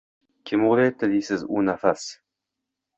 Kim o’ylabdi deysiz u nafas